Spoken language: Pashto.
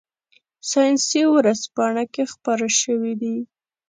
ساینسي ورځپاڼه کې خپاره شوي دي.